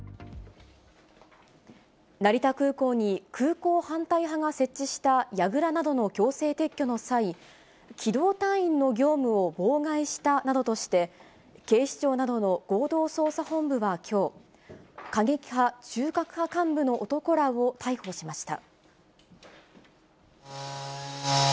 成田空港に、空港反対派が設置したやぐらなどの強制撤去の際、機動隊員の業務を妨害したなどとして、警視庁などの合同捜査本部はきょう、過激派・中核派幹部の男らを逮捕しました。